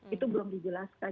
itu belum dijelaskan